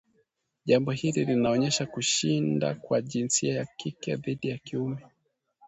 Jambo hili linaonyesha kushinda kwa jinsia ya kike dhidi ya kiume